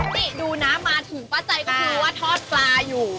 ติดูนะมาถึงป้าใจก็รู้ว่าทอดปลาอยู่